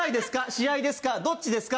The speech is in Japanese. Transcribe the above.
試合ですか？